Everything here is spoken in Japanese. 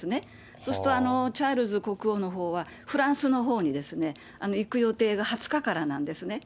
そうすると、チャールズ国王のほうは、フランスのほうに行く予定が２０日からなんですね。